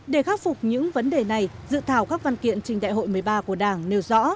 để khắc phục những vấn đề này dự thảo các văn kiện trình đại hội một mươi ba của đảng nêu rõ